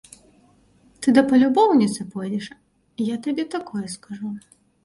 Ты да палюбоўніцы пойдзеш, я табе такое скажу.